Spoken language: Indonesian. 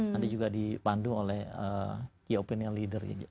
nanti juga dipandu oleh key opinion leader